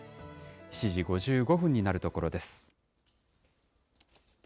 ７時５５分になるところです。